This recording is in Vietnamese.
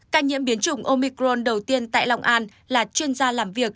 ca nhiễm biến chủng omicron đầu tiên tại long an là chuyên gia làm việc